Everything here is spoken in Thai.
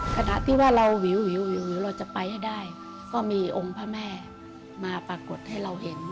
ขณะที่ว่าเราวิวเราจะไปให้ได้ก็มีองค์พระแม่มาปรากฏให้เราเห็น